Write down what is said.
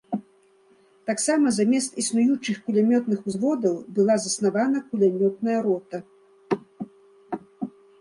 Таксама замест існуючых кулямётных узводаў была заснавана кулямётная рота.